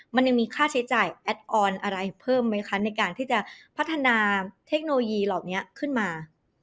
มันยังมีค่าใช้จ่ายแอดออนอะไรเพิ่มไหมคะในการที่จะพัฒนาเทคโนโลยีเหล่านี้ขึ้นมา